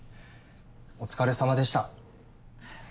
お疲れさまでした。